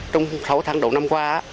trong sáu tháng đầu năm qua